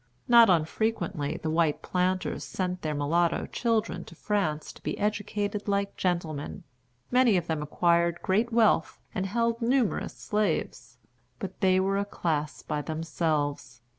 Not unfrequently the white planters sent their mulatto children to France to be educated like gentlemen. Many of them acquired great wealth and held numerous slaves. But they were a class by themselves.